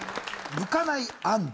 むかない安藤？